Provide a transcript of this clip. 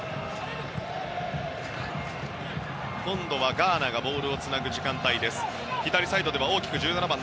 今度はガーナがボールをつなぐ時間帯です。